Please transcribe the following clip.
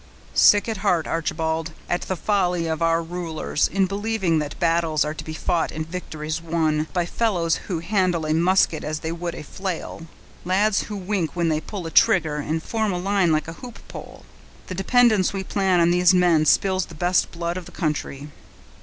"Sick at heart, Archibald, at the folly of our rulers, in believing that battles are to be fought and victories won, by fellows who handle a musket as they would a flail; lads who wink when they pull a trigger, and form a line like a hoop pole. The dependence we place on these men spills the best blood of the country."